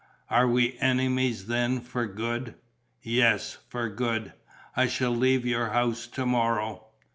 "Are we enemies then, for good?" "Yes, for good. I shall leave your house to morrow."